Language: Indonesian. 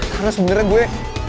karena sebenernya gue